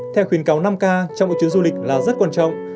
theo khuyến cáo năm k trong một chuyến du lịch là rất quan trọng